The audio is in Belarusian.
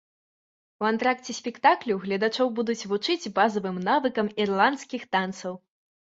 У антракце спектаклю гледачоў будуць вучыць базавым навыкам ірландскіх танцаў.